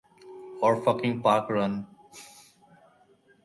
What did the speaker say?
Or fucking Park Run.